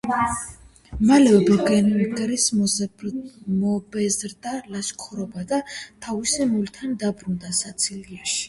მალევე ბერენგარიას მობეზრდა ლაშქრობა და თავის მულთან დაბრუნდა სიცილიაში.